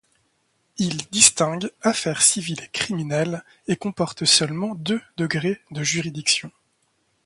Il distingue affaires civiles et criminelles et comporte seulement deux degrés de juridiction.